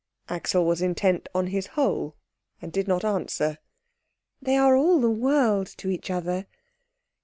Axel was intent on his hole and did not answer. "They are all the world to each other."